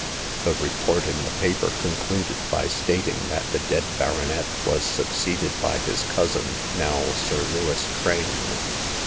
The report in the paper concluded by stating that the dead baronet was succeeded by his cousin, now Sir Lewis Crane.